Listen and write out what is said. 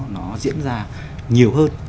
nó diễn ra nhiều hơn